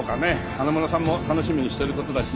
花村さんも楽しみにしてる事だし。